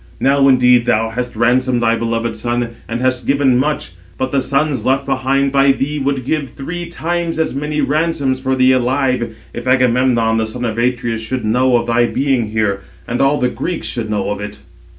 Now indeed thou hast ransomed thy beloved son, and hast given much; but the sons left behind by thee would give three times as many ransoms for thee alive, if Agamemnon, the son of Atreus, should know of thy being here, and all the Greeks should know of it."